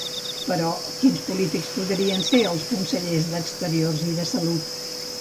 Però, quins polítics podrien ser els consellers d'Exteriors i de Salut?